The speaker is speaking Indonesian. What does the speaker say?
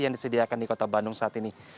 yang disediakan di kota bandung saat ini